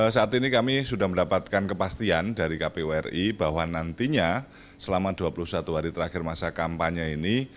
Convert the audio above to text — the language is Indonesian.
saat ini kami sudah mendapatkan kepastian dari kpu ri bahwa nantinya selama dua puluh satu hari terakhir masa kampanye ini